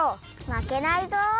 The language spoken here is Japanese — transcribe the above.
まけないぞ！